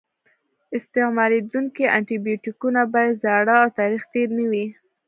استعمالیدونکي انټي بیوټیکونه باید زاړه او تاریخ تېر نه وي.